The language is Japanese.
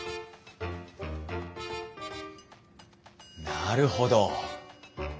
なるほど。